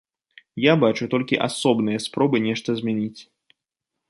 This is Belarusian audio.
Я бачу толькі асобныя спробы нешта змяніць.